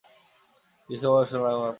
কী আবার শোনালাম আপনাকে?